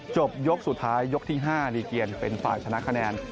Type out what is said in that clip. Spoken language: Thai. ยกสุดท้ายยกที่๕ดีเกียรเป็นฝ่ายชนะคะแนน